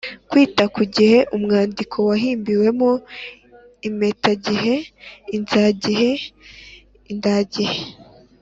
kwita ku gihe umwandiko wahimbiwemo (impitagihe, inzagihe, indagihe).